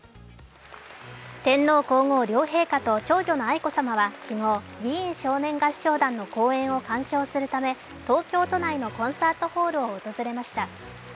天皇皇后両陛下と長女の愛子さまは昨日ウィーン少年合唱団の公演を鑑賞するため、東京都内のコンサートホールを訪れました。